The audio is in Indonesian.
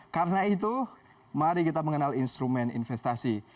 karena itu mari kita mengenal instrumen investasi